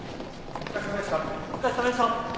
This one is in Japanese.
・お疲れさまでした。